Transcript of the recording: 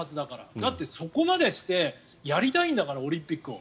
だって、そこまでしてやりたいんだからオリンピックを。